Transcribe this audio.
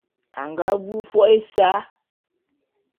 A nga vu fo’o ésa.